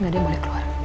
gak ada yang boleh keluar